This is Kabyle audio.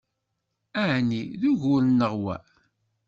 Ɛni d ugur-nneɣ wa?